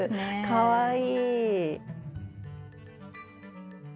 かわいい！